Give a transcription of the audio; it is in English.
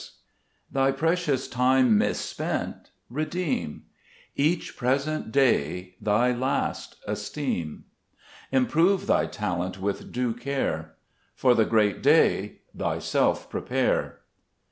13 Gbe JBeet Gburcb l^mns* 2 Thy precious time misspent redeem ; Each present day thy last esteem ; Improve thy talent with due care ; For the great day thyself prepare.